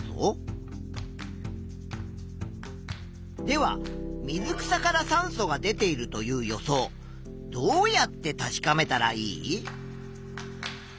では水草から酸素が出ているという予想どうやって確かめたらいい？